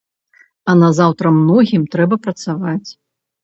А назаўтра многім трэба працаваць.